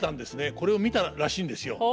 これを見たらしいんですよ。